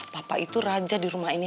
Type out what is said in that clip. bapak itu raja di rumah ini